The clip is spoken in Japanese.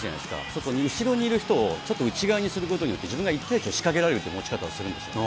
そうすると、後ろにいる人をちょっと内側にすることによって、自分が１対１を仕掛けられるという持ち方をするんですよ。